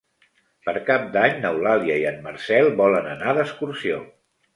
Per Cap d'Any n'Eulàlia i en Marcel volen anar d'excursió.